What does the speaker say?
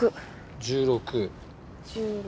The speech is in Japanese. １６。